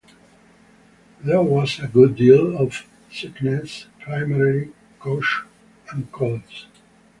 There was a good deal of sickness, primarily coughs and colds.